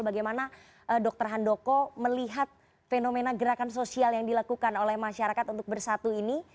bagaimana dokter handoko melihat fenomena gerakan sosial yang dilakukan oleh masyarakat untuk bersatu ini